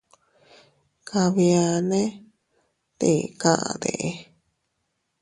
Kabianne, ¿tii kaʼde?.